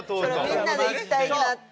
みんなで一体になって。